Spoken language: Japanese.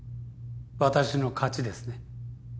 私の勝ちですね。